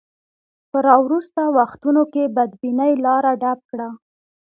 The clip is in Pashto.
په راوروسته وختونو کې بدبینۍ لاره ډب کړه.